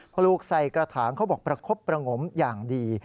ปลูกใส่กระถางเขาบอกประคบประงมอย่างดี